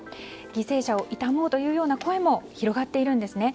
犠牲者を悼もうという声も広がっているんですね。